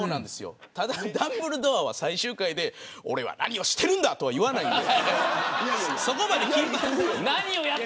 ただダンブルドアは最終回で俺は何をしてるんだとは言わないんで。